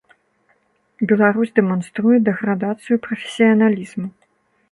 Беларусь дэманструе дэградацыю прафесіяналізму.